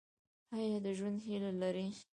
ایا د ژوند هیله لرئ؟